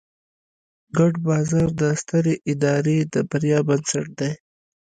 ګډ باور د سترې ادارې د بریا بنسټ دی.